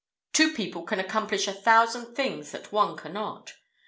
Two people can accomplish a thousand things that one cannot.